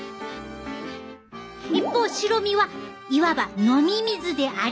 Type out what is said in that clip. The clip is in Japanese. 一方白身はいわば飲み水でありベッド。